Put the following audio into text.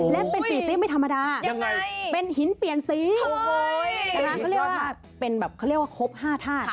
และเป็นฝีติ๊กไม่ธรรมดาเป็นหินเปลี่ยนสีเพราะฉะนั้นเขาเรียกว่าครบ๕ธาตุ